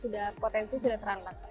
dan potensi sudah serangkat